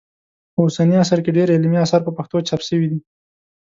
په اوسني عصر کې ډېر علمي اثار په پښتو چاپ سوي دي